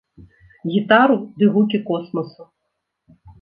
Гітару ды гукі космасу.